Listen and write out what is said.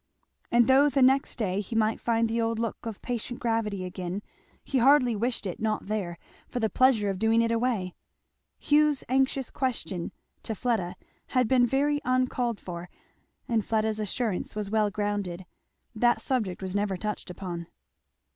And though the next day he might find the old look of patient gravity again, he hardly wished it not there, for the pleasure of doing it away. Hugh's anxious question to Fleda had been very uncalled for, and Fleda's assurance was well grounded; that subject was never touched upon.